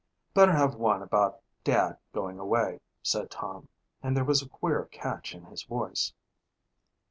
"Better have one about Dad going away," said Tom and there was a queer catch in his voice.